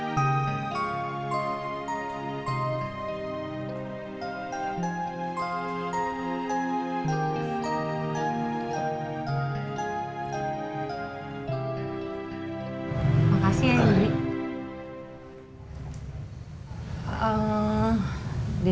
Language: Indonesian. terima kasih ya indri